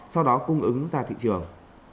sau đó cung ứng ra thị trường